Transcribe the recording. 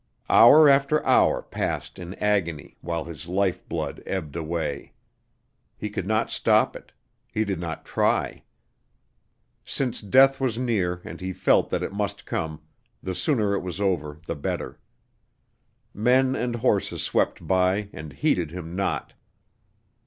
Hour after hour passed in agony, while his life blood ebbed away. He could not stop it; he did not try. Since death was near and he felt that it must come, the sooner it was over the better. Men and horses swept by and heeded him not!